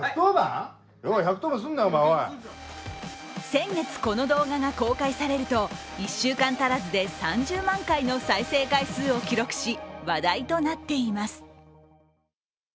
先月、この動画が公開されると、１週間たらずで３０万回の再生回数を記録し話題となっています。